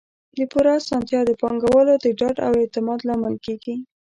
د پور اسانتیا د پانګوالو د ډاډ او اعتماد لامل کیږي.